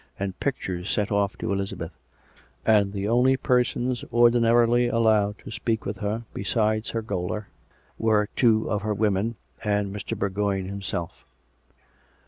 and pictures sent off to Elizabeth; and the only persons ordinarily allowed to speak with her, besides her gaoler, were two of her women, and Mr. Bourgoign himself.